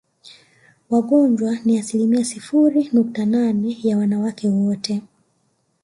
Wagonjwa ni asilimia sifuri nukta nane ya wanawake wote